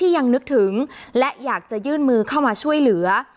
ยังนึกถึงและอยากจะยื่นมือเข้ามาช่วยเหลือ